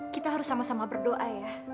kita harus sama sama berdoa ya